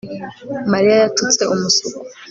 Mariya yatutse umusuku